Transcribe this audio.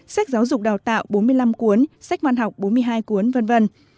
sách giáo dục đào tạo bốn mươi năm cuốn sách văn học bốn mươi hai cuốn v v